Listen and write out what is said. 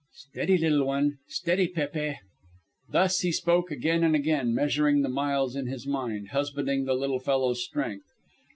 "Steady, little one. Steady, Pépe." Thus he spoke again and again, measuring the miles in his mind, husbanding the little fellow's strength.